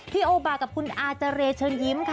พี่โอบากับคุณอาจารย์เชิญยิ้มค่ะ